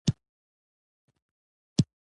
د سپټمبر پر اته ویشتمه سهار چای وڅښلې.